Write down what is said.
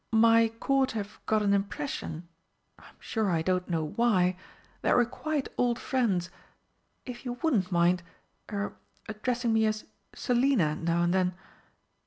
My Court have got an impression I'm sure I don't know why that we're quite old friends. If you wouldn't mind er addressing me as 'Selina' now and then....